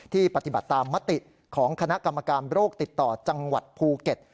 ปฏิบัติตามมติของคณะกรรมการโรคติดต่อจังหวัดภูเก็ต